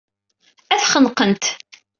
Ad t-xenqent.